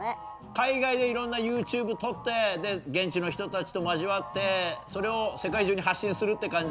海外でいろんなＹｏｕＴｕｂｅ撮って現地の人たちと交わってそれを世界中に発信するって感じ？